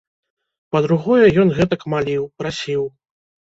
Па-другое, ён гэтак маліў, прасіў.